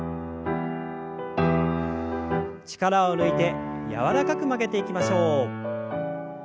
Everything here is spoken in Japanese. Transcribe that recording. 力を抜いて柔らかく曲げていきましょう。